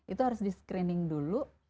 itu harus di screening dulu